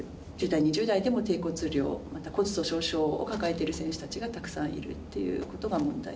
１０代、２０代でも低骨量、また骨粗しょう症を抱えている選手たちがたくさんいるということが問題。